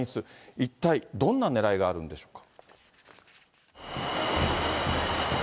一体どんなねらいがあるんでしょうか。